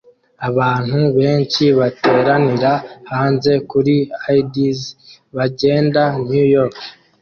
Abantu benshi bateranira hanze kuri Aids bagenda New York